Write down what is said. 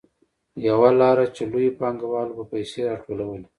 یوه لار چې لویو پانګوالو به پیسې راټولولې